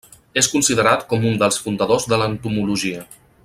És considerat com un dels fundadors de l'entomologia.